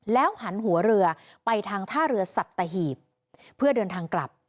หันหัวเรือไปทางท่าเรือสัตหีบเพื่อเดินทางกลับ